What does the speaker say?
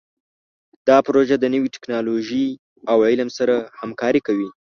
دا پروژه د نوي ټکنالوژۍ او علم سره همکاري کوي.